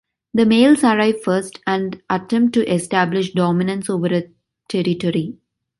The males arrive first and attempt to establish dominance over a territory.